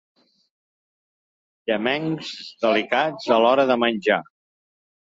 Llamencs, delicats a l'hora de menjar.